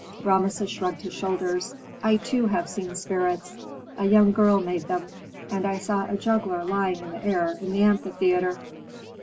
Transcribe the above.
Rameses shrugged his shoulders. "I, too, have seen spirits: a young girl made them. And I saw a juggler lying in the air in the amphitheatre."